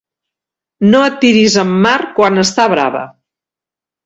No et tiris en mar quan està brava.